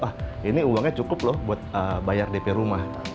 wah ini uangnya cukup loh buat bayar dp rumah